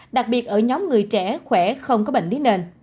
đặc biệt ở nhóm người trẻ khỏe không có bệnh lý nền